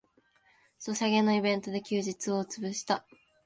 ソシャゲのイベントで休日をつぶした